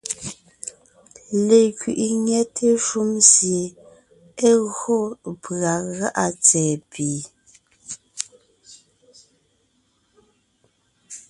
Lekẅiʼi nyɛte shúm sie é gÿo pʉ̀a gá’a tsɛ̀ɛ pì,